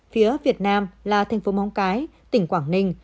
phía việt nam là thành phố móng cái tỉnh quảng ninh